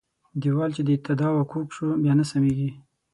ديوال چې د تاداوه کوږ سو ، بيا نه سمېږي.